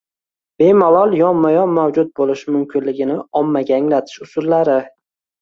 bemalol yonma-yon mavjud bo‘lishi mumkinligini ommaga anglatish usullari